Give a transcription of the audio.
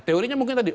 teorinya mungkin tadi